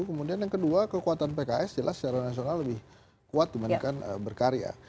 kemudian yang kedua kekuatan pks jelas secara nasional lebih kuat dibandingkan berkarya